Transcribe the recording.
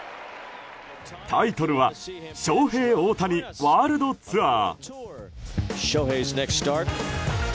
タイトルは、「ショウヘイ・オオタニワールドツアー」。